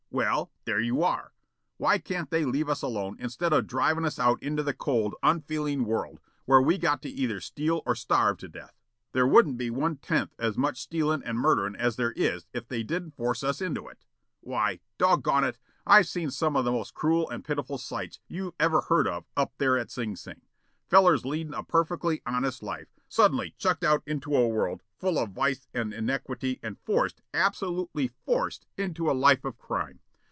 Well, there you are. Why can't they leave us alone instead of drivin' us out into a cold, unfeelin' world where we got to either steal or starve to death? There wouldn't be one tenth as much stealin' and murderin' as there is if they didn't force us into it. Why, doggone it, I've seen some of the most cruel and pitiful sights you ever heard of up there at Sing Sing. Fellers leadin' a perfectly honest life suddenly chucked out into a world full of vice and iniquity and forced absolutely forced, into a life of crime.